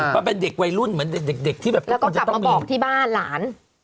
เพราะเป็นเด็กวัยรุ่นเหมือนเด็กเด็กเด็กที่แบบแล้วก็กลับมาบอกที่บ้านหลาน